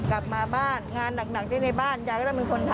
กลับมาบ้านงานหนักที่ในบ้านยายก็ต้องเป็นคนทำ